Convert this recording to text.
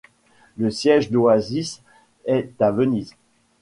Le siège d’Oasis est à Venise.